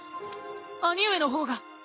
兄上の方が